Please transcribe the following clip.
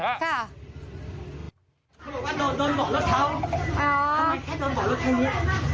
แล้วคุณหนูอาหารเกิดมานานหรือยังคะเนี่ย